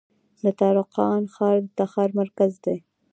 د تالقان ښار د تخار مرکز دی